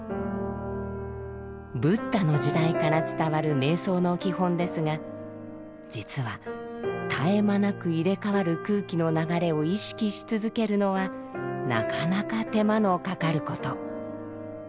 ブッダの時代から伝わる瞑想の基本ですが実は絶え間なく入れ代わる空気の流れを意識し続けるのはなかなか手間のかかること。